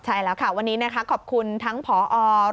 ใช่แล้วค่ะวันนี้ขอบคุณทั้งพอโรงเรียน